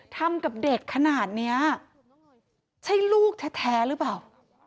ทำกับเด็กขนาดเนี้ยใช่ลูกแท้หรือเปล่า